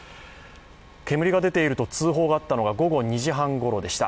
煙が出ていると通報があったのが午後２時半ごろでした。